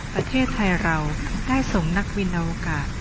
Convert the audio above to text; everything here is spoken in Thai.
ประเทศไทยเราได้ส่งนักบินในโอกาส